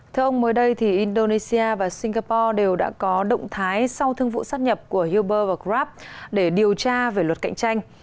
thưa ông mới đây thì indonesia và singapore đều đã có động thái sau thương vụ sát nhập của uber và grab để điều tra về luật cạnh tranh